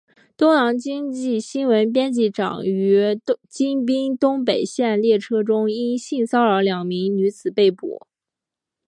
东洋经济新闻编辑长于京滨东北线列车中因性骚扰两名女子被捕。